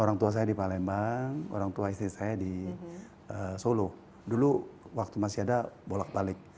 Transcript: orang tua saya di palembang orang tua istri saya di solo dulu waktu masih ada bolak balik